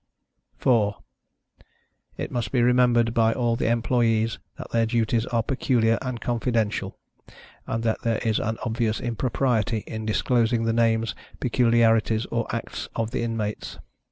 4. It must be remembered by all the employees, that their duties are peculiar and confidential, and that there is an obvious impropriety in disclosing the names, peculiarities, or acts of the inmates.